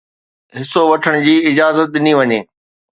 حصو وٺڻ جي اجازت ڏني وڃي